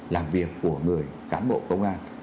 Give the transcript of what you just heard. làm việc của người cán bộ công an